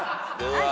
はい。